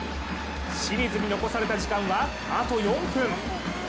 清水に残された時間はあと４分。